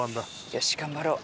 よし頑張ろう。